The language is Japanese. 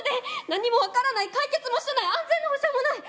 何も分からない解決もしてない安全の保証もない！